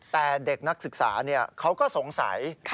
แต่เด็กนักศึกษาเขาก็สงสัย